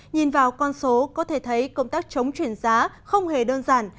nhìn vào con số có thể thấy công tác chống chuyển giá không hề đơn giản